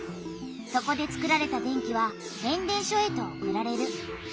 そこでつくられた電気は変電所へと送られる。